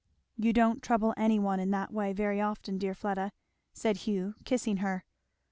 "You don't trouble any one in that way very often, dear Fleda," said Hugh kissing her.